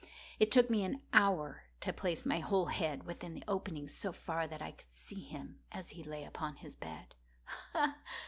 It took me an hour to place my whole head within the opening so far that I could see him as he lay upon his bed.